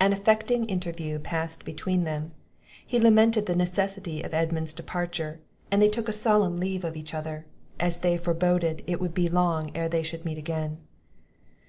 An affecting interview passed between them. He lamented the necessity of Edmund's departure; and they took a solemn leave of each other, as if they foreboded it would be long ere they should meet again.